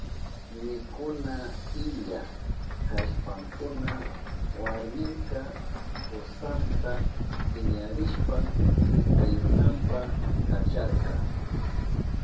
Mikuna illa kashpankuna warminka kusanta piñarishpan mitayunanpa kacharka.